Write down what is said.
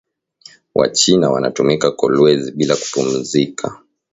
Wa china wanatumika kolwezi bila kupumuzika